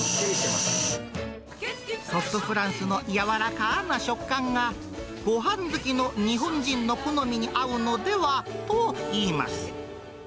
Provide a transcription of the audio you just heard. ソフトフランスの柔らかな食感が、ごはん好きの日本人の好みに合うのではといいます。